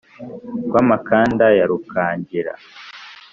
rwa makanda ya rukangira: